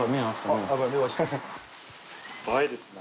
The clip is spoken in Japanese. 映えですね。